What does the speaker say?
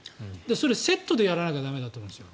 それ、セットでやらなきゃ駄目だと思うんですよ。